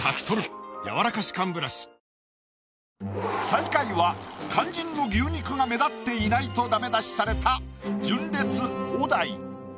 最下位は肝心の牛肉が目立っていないとダメ出しされた純烈小田井。